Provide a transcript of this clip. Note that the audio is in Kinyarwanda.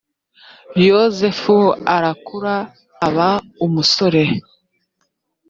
yozefu arakura aba umusore